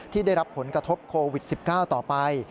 ที่ได้รับผลกระทบโควิด๑๙ต่อไป